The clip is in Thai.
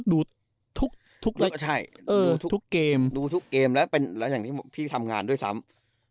ดูทุกเกมดูทุกเกมแล้วอย่างที่พี่ทำงานด้วยซ้ำ